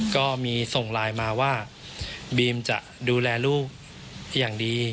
ก็มีส่งไลน์มาว่าบีมจะดูแลลูกอย่างดี